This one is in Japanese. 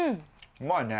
うまいね。